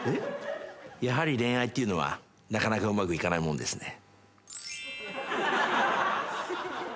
やはり恋愛っていうのはなかなかうまくいかないもんですね。